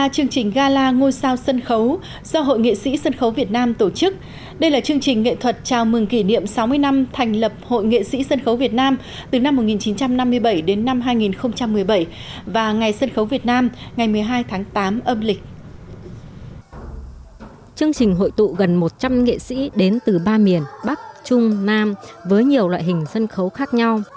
chương trình hội tụ gần một trăm linh nghệ sĩ đến từ ba miền bắc trung nam với nhiều loại hình sân khấu khác nhau